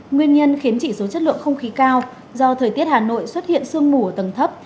nguyên nhân khiến chỉ số chất lượng không khí cao do thời tiết hà nội xuất hiện sương mù ở tầng thấp